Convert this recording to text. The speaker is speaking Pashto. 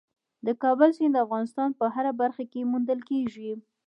د کابل سیند د افغانستان په هره برخه کې موندل کېږي.